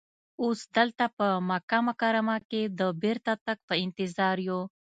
اوس دلته په مکه مکرمه کې د بېرته تګ په انتظار یو.